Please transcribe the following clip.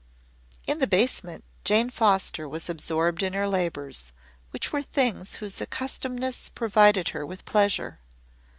In the basement Jane Foster was absorbed in her labours, which were things whose accustomedness provided her with pleasure.